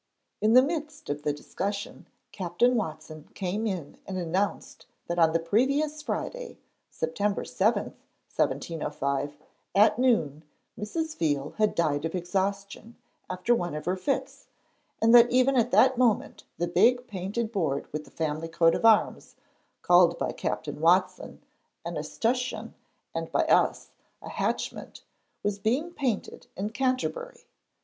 In the midst of the discussion Captain Watson came in and announced that on the previous Friday September 7, 1705 at noon, Mrs. Veal had died of exhaustion, after one of her fits; and that even at that moment the big painted board with the family coat of arms called by Captain Watson an 'escutcheon' and by us a 'hatchment' was being painted in Canterbury.